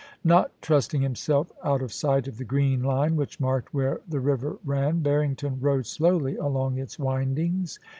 Not trusting himself out of sight of the green line which marked where the river ran, Harrington rode slowly along its windings.